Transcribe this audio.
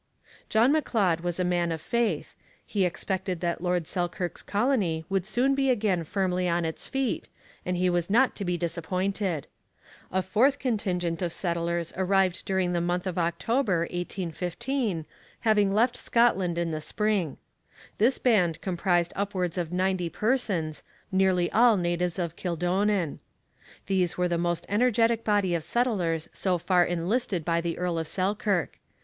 John M'Leod was a man of faith. He expected that Lord Selkirk's colony would soon be again firmly on its feet, and he was not to be disappointed. A fourth contingent of settlers arrived during the month of October 1815, having left Scotland in the spring. This band comprised upwards of ninety persons, nearly all natives of Kildonan. These were the most energetic body of settlers so far enlisted by the Earl of Selkirk.